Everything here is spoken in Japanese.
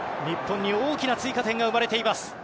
日本に大きな追加点が生まれています。